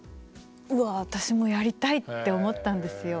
うわあ私もやりたいって思ったんですよ。